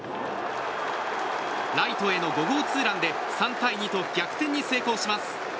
ライトへの５号ツーランで３対２と逆転成功します。